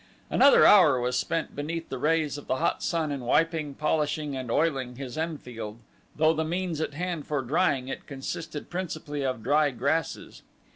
Another hour was spent beneath the rays of the hot sun in wiping, polishing, and oiling his Enfield though the means at hand for drying it consisted principally of dry grasses.